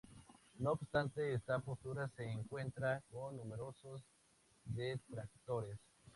No obstante, esta postura se encuentra con numerosos detractores.